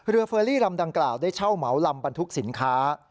เฟอรี่ลำดังกล่าวได้เช่าเหมาลำบรรทุกสินค้า